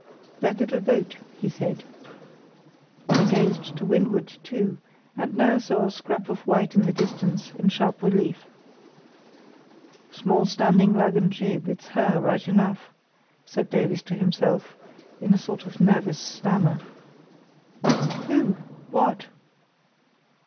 "That little boat," he said. I gazed to windward, too, and now saw a scrap of white in the distance, in sharp relief. "Small standing lug and jib; it's her, right enough," said Davies to himself, in a sort of nervous stammer. "Who? What?"